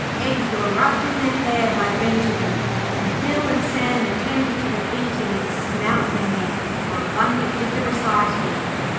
Eggs were rubbed in their hair by Benjimen, and Bill and Sam attended to the beating and snout bending, while Bunyip did the reciting.